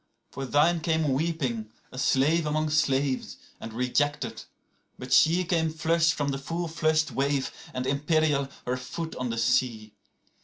85For thine came weeping, a slave among slaves, and rejected; but she86Came flushed from the full flushed wave, and imperial, her foot on the sea.